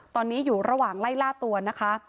ตอนนี้อยู่ระหว่างไล่ล่าตัวนะคะ